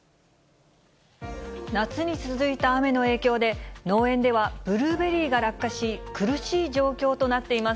夏に続いた雨の影響で、農園ではブルーベリーが落下し、苦しい状況となっています。